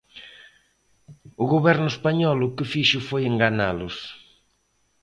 O Goberno español o que fixo foi enganalos.